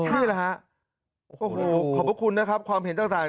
นี่แหละฮะโอ้โหขอบพระคุณนะครับความเห็นต่าง